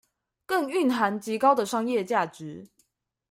更蘊含極高的商業價值